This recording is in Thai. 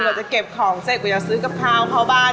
จะเก็บของเสร็จกว่าจะซื้อกับข้าวเข้าบ้าน